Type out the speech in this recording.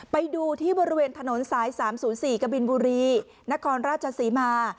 ไปดูที่บริเวณถนนซ้ายสามศูนย์สี่กะบินบุรีนครราชสีมา